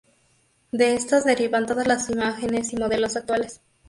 De estos derivan todas imágenes y modelos actuales.